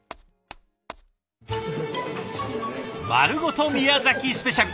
「まるごと宮崎スペシャル」。